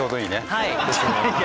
はい。